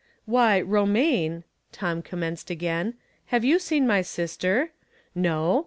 " Why, Romaine," Tom commenced again, " have you seen my sister ? No